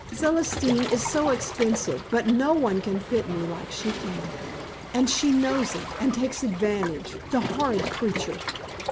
"Celestine is so expensive, but no one can fit me like she can. And she knows it, and takes advantage, the horrid creature."